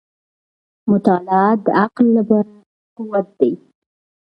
• مطالعه د عقل لپاره قوت دی.